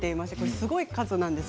すごい数なんです。